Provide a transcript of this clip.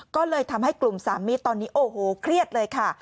ก็เลยทำให้กลุ่มสามีตอนนี้โอ้โหเครียดเลยค่ะ